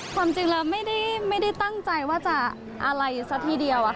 ความจริงแล้วไม่ได้ตั้งใจว่าจะอะไรซะทีเดียว